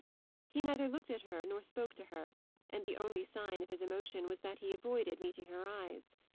He neither looked at her nor spoke to her, and the only sign of his emotion was that he avoided meeting her eyes.